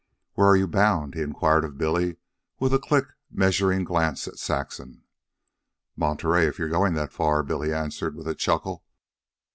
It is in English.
"Where are you bound?" he inquired of Billy, with a quick, measuring glance at Saxon. "Monterey if you're goin' that far," Billy answered with a chuckle.